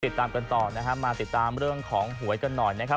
ติดตามกันต่อนะครับมาติดตามเรื่องของหวยกันหน่อยนะครับ